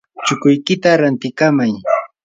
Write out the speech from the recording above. chukuykita rantikamay.